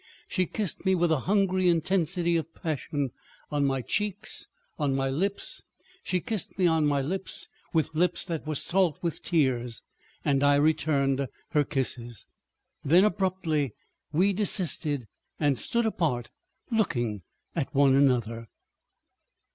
She kissed me with a hungry intensity of passion, on my cheeks, on my lips. She kissed me on my lips with lips that were salt with tears. And I returned her kisses. ... Then abruptly we desisted and stood apart—looking at one another.